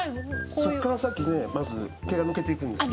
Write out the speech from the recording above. そこから先まず毛が抜けていくんです。